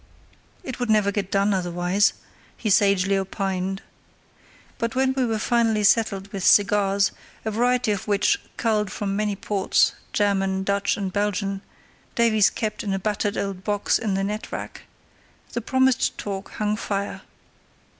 "It would never get done otherwise," he sagely opined. But when we were finally settled with cigars, a variety of which, culled from many ports—German, Dutch, and Belgian—Davies kept in a battered old box in the net rack, the promised talk hung fire.